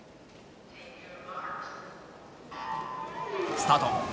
スタート。